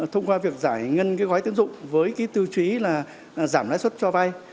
thông qua việc giải ngân gói tín dụng với tiêu chí giảm lãi suất cho vai